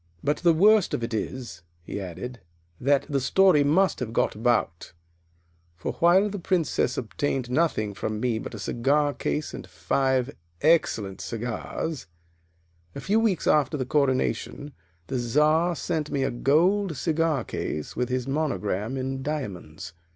"But the worst of it is," he added, "that the story must have got about; for, while the Princess obtained nothing from me but a cigar case and five excellent cigars, a few weeks after the coronation the Czar sent me a gold cigar case with his monogram in diamonds.